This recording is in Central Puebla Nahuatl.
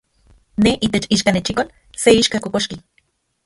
Ne, itech ichkanechikol, se ixka kokoxki.